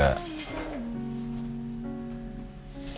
terus saya tadi juga